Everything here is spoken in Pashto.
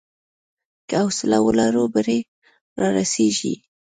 که حوصله ولرو، بری رارسېږي.